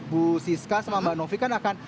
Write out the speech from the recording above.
bu siska sama mbak novi kan akan